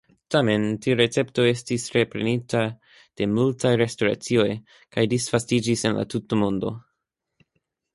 Tamen tiu recepto estis reprenita de multaj restoracioj kaj disvastiĝis en la tuta mondo.